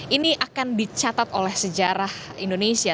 ini akan dicatat oleh sejarah indonesia